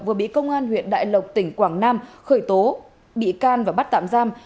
vừa bị công an huyện đại lộc tỉnh quảng nam khởi tố bị can và bắt tạm giam